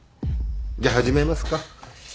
じゃあ始めますか。